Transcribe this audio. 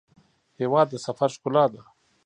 هېواد د سفر ښکلا ده.